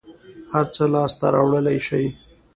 هر څه لاس ته راوړلى شې.